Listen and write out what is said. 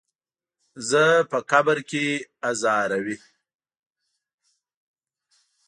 زه په قبر کې ازاروي.